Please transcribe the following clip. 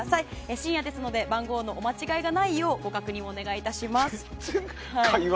深夜ですので番号のお間違えがないようご確認をお願いします。